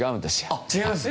あっ違います？